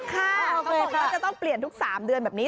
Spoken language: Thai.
เขาบอกว่าจะต้องเปลี่ยนทุก๓เดือนแบบนี้